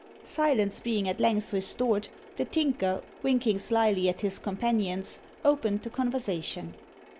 Silence being at length restored, the Tinker, winking slyly at his companions, opened the conversation.